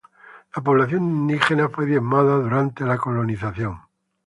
La población indígena fue diezmada durante la colonización.